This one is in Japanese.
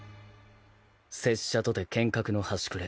拙者とて剣客の端くれ。